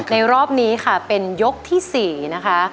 รอบนี้ค่ะเป็นยกที่๔นะคะ